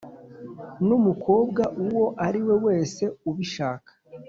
n’umukobwa uwo ariwe wese ubishaka